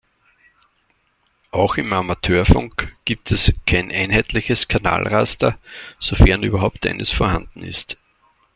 Auch im Amateurfunk gibt es kein einheitliches Kanalraster, sofern überhaupt eines vorhanden ist.